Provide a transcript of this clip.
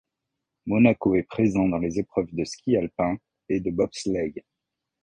Monaco est présent dans les épreuves de ski alpin et de bobsleigh.